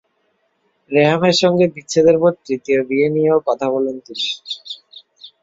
রেহামের সঙ্গে বিচ্ছেদের পর তৃতীয় বিয়ে নিয়েও কথা বলেন তিনি।